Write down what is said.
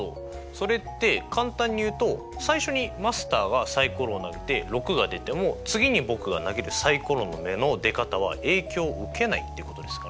それって簡単に言うと最初にマスターがサイコロを投げて６が出ても次に僕が投げるサイコロの目の出方は影響を受けないっていうことですかね。